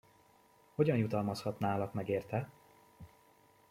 Hogyan jutalmazhatnálak meg érte?